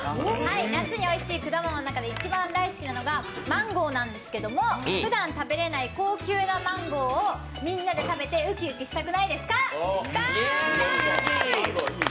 夏においしい果物の中で一番大好きなものがマンゴーなんですけど、ふだん食べれない高級なマンゴーをみんなで食べてウキウキしたくないですか？